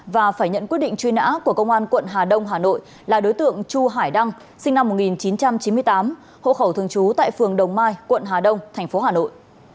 và phải nhận quyết định truy nã của công an quận hà đông hà nội là đối tượng chu hải đăng sinh năm một nghìn chín trăm chín mươi tám hộ khẩu thường trú tại phường đồng mai quận hà đông thành phố hà nội